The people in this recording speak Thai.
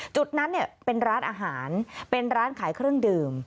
จุดนั้นเป็นร้านอาหารเป็นร้านขายเครื่องดื่ม